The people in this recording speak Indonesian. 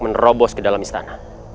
menerobos ke dalam istana